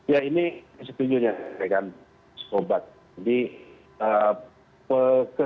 ya ini setuju ya pak diki